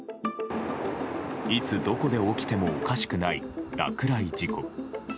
いつどこで起きてもおかしくない落雷事故。